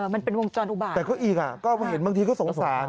มันเป็นวงจรอุบาลนะครับแต่ก็อีกอ่ะเห็นบางทีก็สงสาร